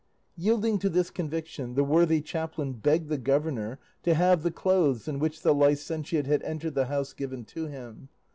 Yielding to this conviction, the worthy chaplain begged the governor to have the clothes in which the licentiate had entered the house given to him.